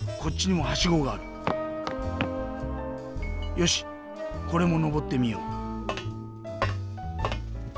よしこれものぼってみよう。